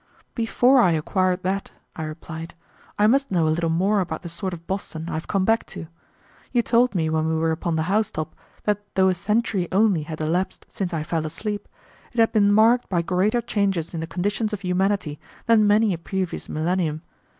"Before I acquired that," I replied, "I must know a little more about the sort of Boston I have come back to. You told me when we were upon the house top that though a century only had elapsed since I fell asleep, it had been marked by greater changes in the conditions of humanity than many a previous millennium.